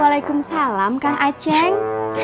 waalaikumsalam kang aceh